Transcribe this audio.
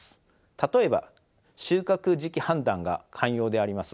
例えば収穫時期判断が肝要であります